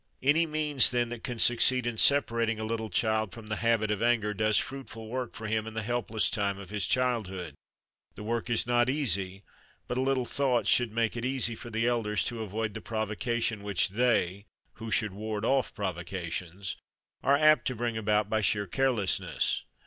Any means, then, that can succeed in separating a little child from the habit of anger does fruitful work for him in the helpless time of his childhood. The work is not easy, but a little thought should make it easy for the elders to avoid the provocation which they who should ward off provocations are apt to bring about by sheer carelessness.